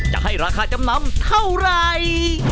จะให้ราคาจำนำเท่าไหร่